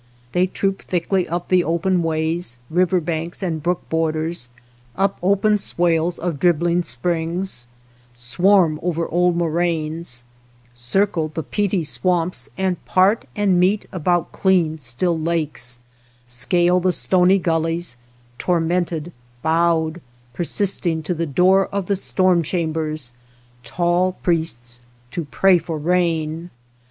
They troop thickly up the open ways, river banks, and brook borders ; up 190 THE STREETS OF THE MOUNTAINS open swales of dribbling springs ; swarm over old moraines ; circle the peaty swamps and part and meet about clean still lakes ; scale the stony gullies ; tormented, bowed, persisting to the door of the storm cham bers, tall priests to pray for rain.